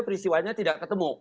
peristiwanya tidak ketemu